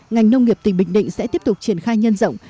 ngành nông nghiệp tỉnh bình định sẽ tiếp tục triển khai nhân rộng